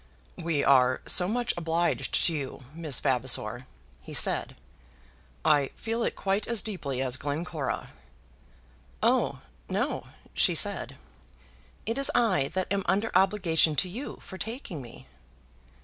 "We are so much obliged to you, Miss Vavasor," he said. "I feel it quite as deeply as Glencora." "Oh, no," she said; "it is I that am under obligation to you for taking me."